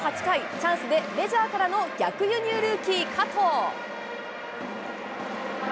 チャンスでメジャーからの逆輸入ルーキー・加藤。